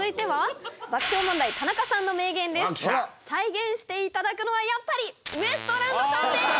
再現していただくのはやっぱりウエストランドさんです！